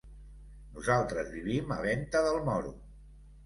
Nosaltres vivim a Venta del Moro.